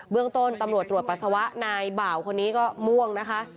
เรื่องต้นตำรวจตรวจปัสสาวะนายบ่าวคนนี้ก็ม่วงนะคะ